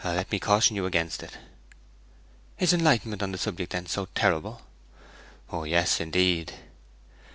'Let me caution you against it.' 'Is enlightenment on the subject, then, so terrible?' 'Yes, indeed.'